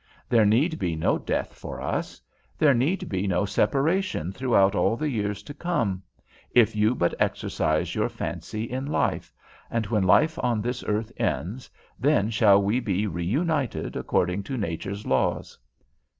There need be no death for us, there need be no separation throughout all the years to come, if you but exercise your fancy in life, and when life on this earth ends, then shall we be reunited according to nature's laws.